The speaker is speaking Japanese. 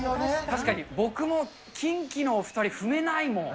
確かに僕もキンキのお２人、踏めないもん。